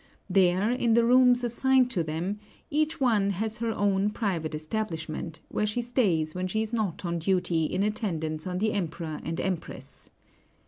There, in the rooms assigned to them, each one has her own private establishment, where she stays when she is not on duty in attendance on the Emperor and Empress.